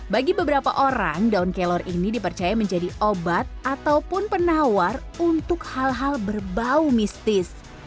bagi beberapa orang daun kelor ini dipercaya menjadi obat ataupun penawar untuk hal hal berbau mistis